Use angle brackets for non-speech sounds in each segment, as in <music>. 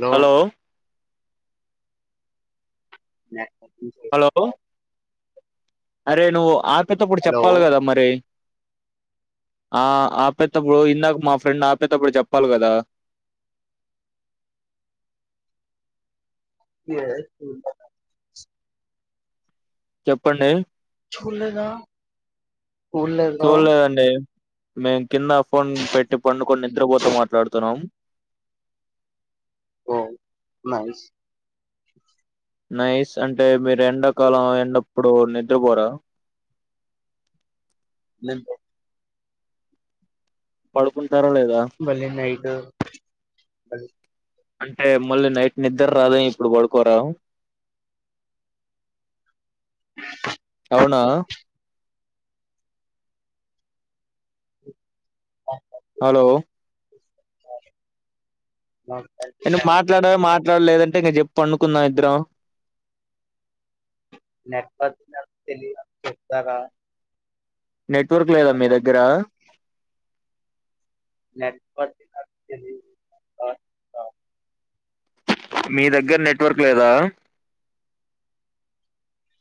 లో hello networking hello చేసాం కాదు అరే నువ్వు ఆపేతప్పుడు హలో చెప్పాలి కదా మరి ఆ ఆపేటప్పుడు ఇందాక మా ఫ్రెండ్ ఆపేటప్పుడు చెప్పాలి కదా ఎస్ చెప్పండి చూడు లేదా చూడు లేదా మేం కింద ఫోన్ పెట్టి పండుకొని నిద్రపోత మాట్లాడుతున్నాము ఓ నైస్ నైస్ అంటే మీరు ఎండాకాలం ఎండ అప్పుడు నిద్రపోరా నండి పడుకో మళ్ళీ నైట్ అంటే మళ్ళీ నైట్ నిద్రరాదు అన్ని ఇప్పుడు పడుకోరా పోనా హలో అ ఎను మాట్లాడ మాట్ లేదంటే పండుకుందాం ఇద్దరం నెట్వర్క్ తెలీదు చెప్తారా నెట్వర్క్ లేదా మీ హలో దగ్గర నెట్వర్క్ మీ దగ్గర నెట్వర్క్ లేదా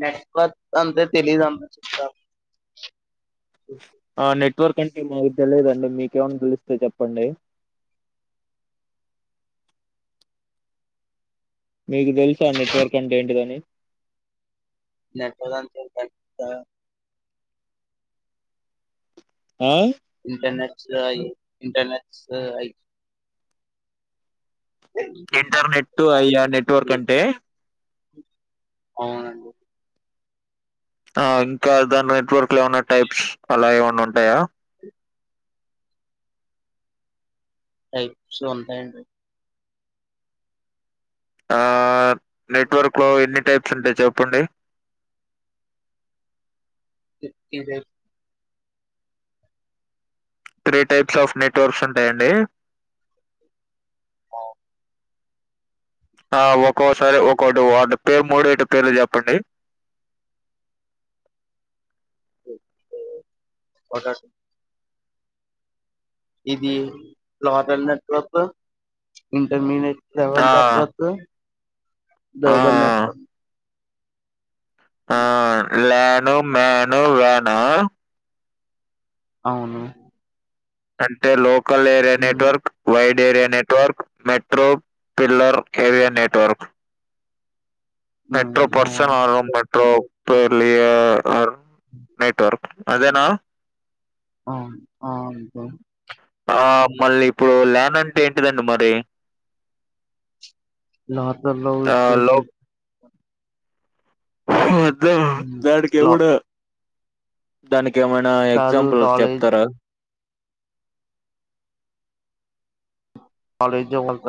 నెట్వర్క్ అంతే తెలీదు అంట ఆ నెట్ వర్క్ అంటే మాకు తెలియద అండి మీకేమైనా తెలుస్తే చెప్పండి మీకు తెలుసు ఆ నెట్వర్క్ అంటే ఏంటిదని నెట్వర్క్ టైప్స్ ఆహ్ ఆ ఇంటర్నట్ అయి ఇంటర్నట్స్ అయి ఇంటర్నెట్ అయ్యా నెట్వర్క్ అంటే అవునండి ఆ ఇంకా దాని నెట్వర్క్ లో ఏమన్నా టైప్స్ అలా ఏమైన్నా ఉంటాయా టైప్స్ ఉంటాయి అండి ఆ నెట్వర్క్ లో ఎన్ని టైప్స్ ఉంటాయి చెప్పండి ఇజ త్రీ టైప్స్ ఆఫ్ నెట్వర్క్స్ ఉంటాయండి ఓ ఆ ఒక్కోసారి ఒక్కోటి వాటి పేరు మూడు ఐ టం పేరులు చెప్పండి బజాజ్ ఇది లోకల్ నెట్వర్క్ ఇంటర్మీడియట్ ఆ ఎవల్ద నెట్వర్కు ఆ దబల్ నెట్వర్క్ ఆ ల్యాను మ్యాను వ్యాను అవును అంటే local area um network wide area network metro pillar area network um metro person అవును ఆ మెట్రో పేర్లి యా అర్ నెట్వర్క్ అదేనా ఆ ఆ అంతే ఆ మళ్ళీ ఇప్పుడు ల్యాన్ అంటే ఏంటిదండి మరీ లాకర్ లో ఉంచేసి హమ్ వద్ద ఉమ్ దాడికి లో ఎవ్వడు దాని కేమైనా కాదు ఎగ్జాంపుల్ కాలేజ్ చెప్తారా కాలేజ వంత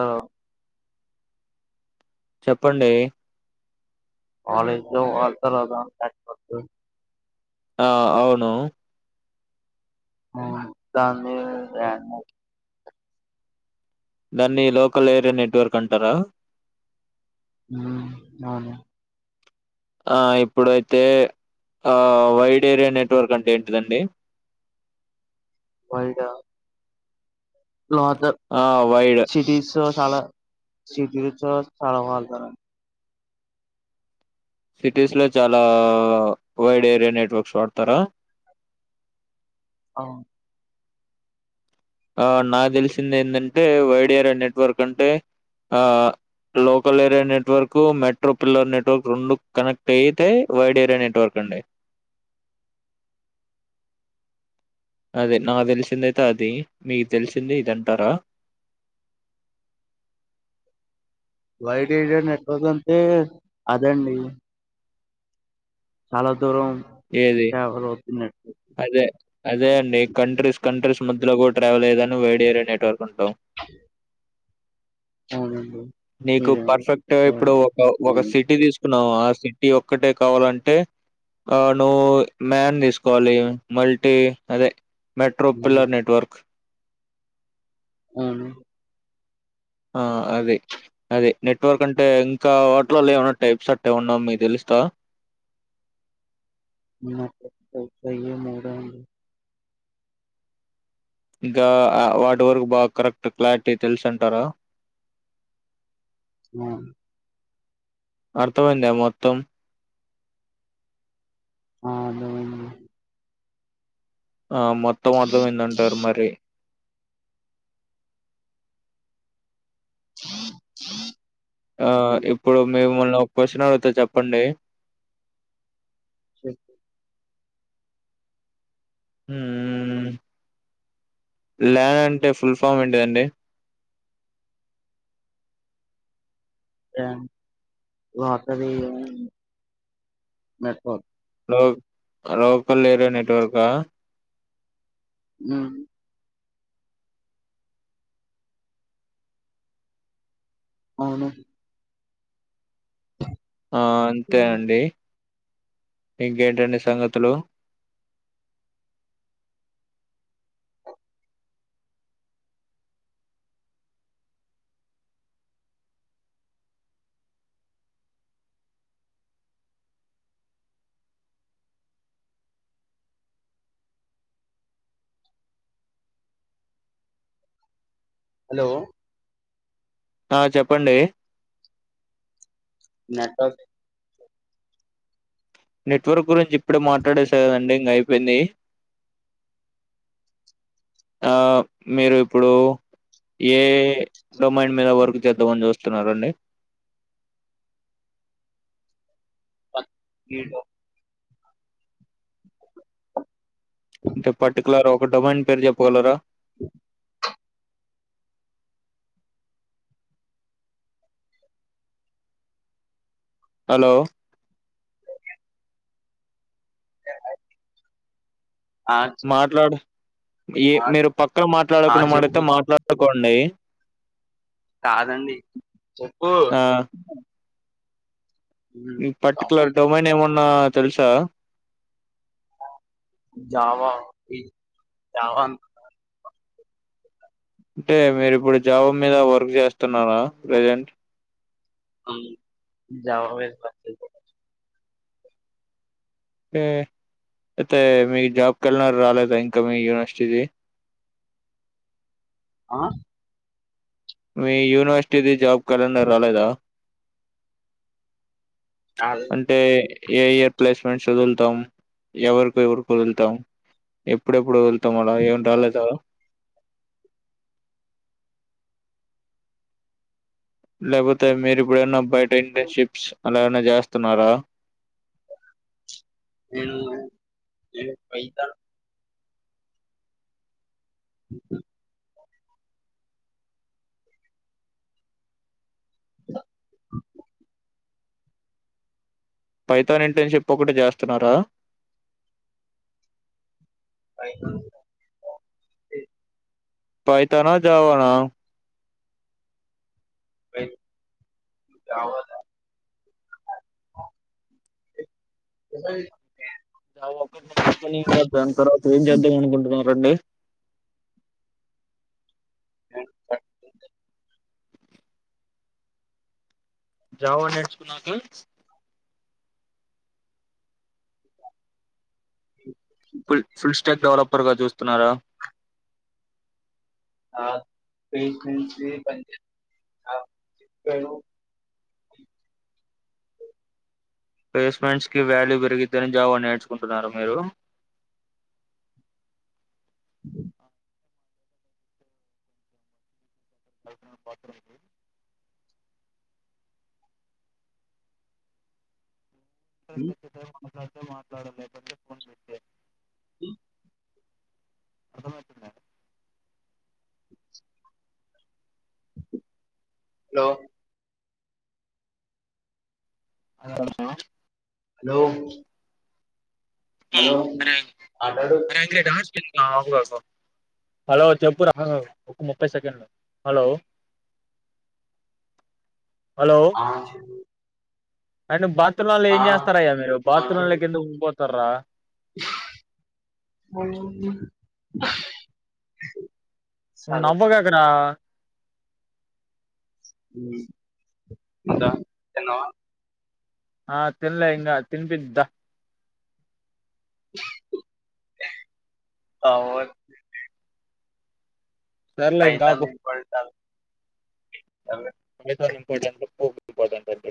చెప్పండి కాలెజ్ లో అతదాం కకతు <unintelligible> ఆ అవును ఉమ్ దానిల్ ర్యాంకు దాన్ని లోకల్ ఏరియా నెట్వర్క్ అంటరా ఉమ్ అవును ఆ ఇప్పుడైతే ఆ వైడ్ ఏరియా నెట్వర్క్ అంటే ఏంటిదండి వయిడా లోత ఆ వైడ్ సిటీస్ చాలా సిటీలో చ చాలా హల్తారం సిటీస్ లో చాలా వైడ్ ఏరియా నెట్వర్క్స్ వాడతారా అ ఆ నాకు తెలిసింది ఏంటంటే వైడిఏరియా నెట్వర్క్ అంటే ఆ local area network metro pillar network రెండు కనెక్ట్ అయితే వైడ్ ఏరియా నెట్వర్క్ అండి అదే నాకు తెలిసిందయితే అది మీకు తెలిసింది ఇదంటారా వైడ్ ఏరియా నెట్వర్క్ అంటే అదండి సాలా దూరం ఏది ట్రావెలవుతునాటు అదే అదే అండి కంట్రీస్ కంట్రీస్ మధ్యలో కూడా ట్రావెల్ అయ్యే దాన్ని వైడ్ ఏరియా నెట్వర్క్ అంటాం అవునండి నీకు మీరేమో పర్ఫెక్ట్ గా ఇప్పుడు చెప్తారు ఒక ఒక ఉమ్, సిటీ తీసుకు చూస్తున్నాం ఆ సిటీ ఒక్కటే కావాలంటే ఆ నువ్వు మ్యాన్ తీసుకోవాలి మల్టీ అదె మెట్రో ఉమ్, పిల్లర్ నెట్వర్క్ అవును ఆ అదే అదే నెట్వర్క్ అంటే ఇంకా వాటిలలో ఏమన్నా టైప్స్ అట్టే ఉన్నా మీ తెలుస్తా నెట్వర్క్ టైప్స్ ఇంకా అ వాటి వరకు బాగ కరెక్ట్ క్లారిటీ తెలుసు అంటారా మ్ అర్ధమైందా మొత్తం ఆ అర్ధం అయింది ఆ మొత్తం అర్ధమైందంటారు మరి ఆ ఉమ్, ఇప్పుడు మిమ్మల్ని ఒక క్వశ్చన్ అడగుత చెప్పండి ఉమ్ ల్యాన్ అంటే ఫుల్ ఫామ్ ఏంటిదండి లెన్ లాటరి ఆ నెట్వర్క్ లో లోకల్ ఏరియా నెట్వర్కా ఉమ్ అవును ఆ అంతే ఉమ్. అండి ఇంకేంటండి సంగతులు హలో ఆ చెప్పండి నెటవ నెట్వర్క్ గురించి ఇప్పుడే మాట్లాడేసేకాదండి ఇంకా అయిపోయింది ఆ మీరు ఇప్పుడు ఏ డొమైన్ మీద వర్క్ చేద్దామని చూస్తున్నరండి <unintelligible> అంటే పర్టికులర్ ఒక డొమైన్ పేరు చెప్పుగలరా హలో న్ఐ మాట్లాడు ఎవ ఆ మీరు చెప్- పక్కాన ఆ మాట్లాడకున్న చెప్పు మాడితే మాట్లాడుక్ కొండయి కాదండి చెప్పు ఆ ఉమ్, జావా పర్టికులర్ డొమైన్ ఏమన్నా తెలుసా జవా వి జవాన్ అంటే మీరిప్పుడు జాబ్ మీద వర్క్ చేస్తున్నార ప్రెజెంట్ జావా మీద పని చేస్తున్న ఉమ్ అయితే మీక్ జాబ్ క్యాలెండర్ రాలేదా ఇంక మీ యూనివర్సిటీది ఆ మీ యూనివర్సిటీది జాబ్ క్యాలెండర్ రాలేదా కాదు అంటే ఏ ఇయర్ ప్లేస్మెంట్స్ వదులుతాం ఎవరికి ఎవరి కు వదులుతాం ఎప్పుడెప్పుడు వదుల్ తమల ఏంటి రాలేదా లేపోతే మీరుప్పుడైనా బయట ఇంటర్న్షిప్స్ అలా ఎవ్వన్నా చేస్తున్నారా నేను పైథోన్ పైథోన్ ఇంటర్న్షిప్ ఒకటి చేస్తున్నారా పైథోన్ పైథోన్ నా జావా నా పైథోన్, జావా దాన్ని తర్వాత ఏం చేద్దాం అనుకుంటున్నారండి <unintelligible> జావా నేర్చుకున్నాక కట్టి ఫుల్ ఫుల్ స్టాక్ డెవలపర్గా చూస్తున్నారా <inaudible> ప్లేస్మెంట్స్ కి వాల్యూ పెరిగిద్దని జావా నేర్చుకుంటున్నార మీరు వర్క్ అట్ ఐతే మాట్లాడక్ <inaudible> <inaudible> హలో <unintelligible> హలో హలో అరే మాట్లాడు అరే <unintelligible> డాన్స్ స్పెల్లింగ్ <inaudible> హలో చెప్పు రా ఒక ముప్పై సెకండ్లు హలో ఆ అయినా బాత్రూమ్లలో ఆ ఏం చేస్తారాయ మీరు బాత్రూమ్ల మాట్లాడు కెందుకు పోతారా చదువు నువ్ నవ్వ కకరా ఉ ఇంకా తిన్నావా ఆ తిన్లే ఇంకా తిన్పిద్ద <inaudible> సర్లే ఇంకాపు <unintelligible> <unintelligible>